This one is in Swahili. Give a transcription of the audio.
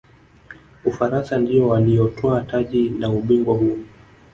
ufaransa ndiyo waliyotwaa taji la ubingwa huo